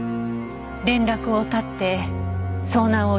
連絡を絶って遭難を装った。